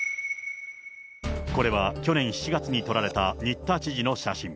これは去年７月に撮られた新田知事の写真。